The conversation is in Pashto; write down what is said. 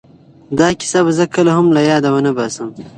دا کیسه به زه کله هم له یاده ونه باسم.